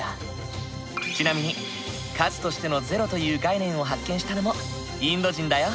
ちなみに数としての「０」という概念を発見したのもインド人だよ。